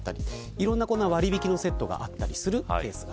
いろんな割引のセットがあったりするんですが。